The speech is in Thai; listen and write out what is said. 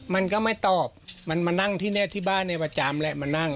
มันก็ไม่ตอบมันมานั่งที่นี่ที่บ้านในประจำแหละมานั่ง